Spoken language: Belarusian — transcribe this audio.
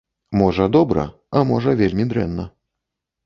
Можа, добра, а можа, вельмі дрэнна.